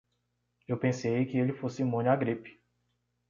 Eu pensei que ele fosse imune à gripe.